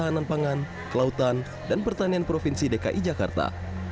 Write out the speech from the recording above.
ketahanan pangan kelautan dan pertanian provinsi dki jakarta